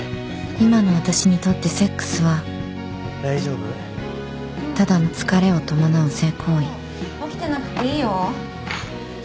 今の私にとってセックスはただの疲れを伴う性行為起きてなくていいよ。